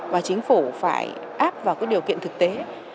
và chính phủ phải áp vào cái điều kiện thực tế